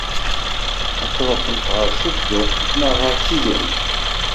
Ad tṛuḥemt ɣer Sedduq neɣ ɣer Sidi Ɛic?